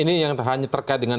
ini yang hanya terkait dengan